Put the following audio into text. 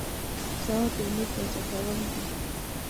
سهار د امید تازه کول دي.